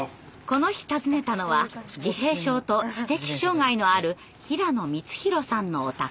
この日訪ねたのは自閉症と知的障害のある平野光宏さんのお宅。